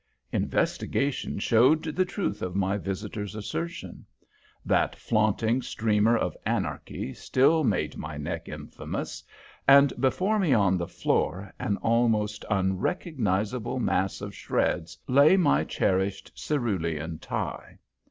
Investigation showed the truth of my visitor's assertion. That flaunting streamer of anarchy still made my neck infamous, and before me on the floor, an almost unrecognizable mass of shreds, lay my cherished cerulean tie.